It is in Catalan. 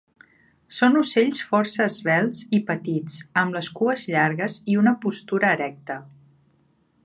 Són ocells força esvelts i petits amb les cues llargues i una postura erecta.